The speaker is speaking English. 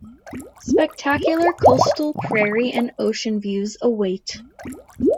Spectacular coastal prairie and ocean views await.